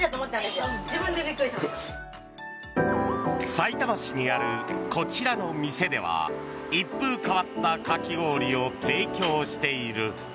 さいたま市にあるこちらの店では一風変わったかき氷を提供している。